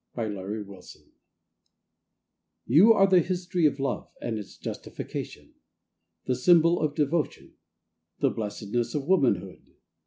DAY DREAMS YOU You are the History of Love and its Justification. The Symbol of Devotion. The Blessedness of Womanhood.